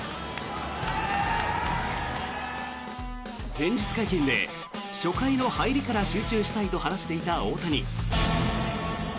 前日会見で初回の入りから集中したいと話していた大谷。